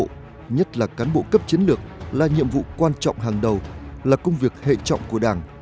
công tác cán bộ cấp chiến lược là nhiệm vụ quan trọng hàng đầu là công việc hệ trọng của đảng